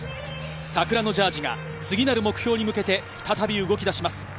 桜のジャージーが次なる目標に向けて再び動き出します。